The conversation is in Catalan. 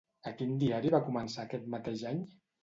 A quin diari va començar aquest mateix any?